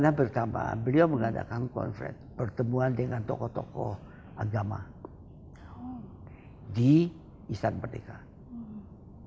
karena pertama beliau mengadakan konferensi pertemuan dengan tokoh tokoh agama di istana perdekaan